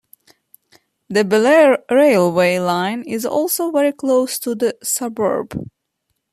The Belair railway line is also very close to the suburb.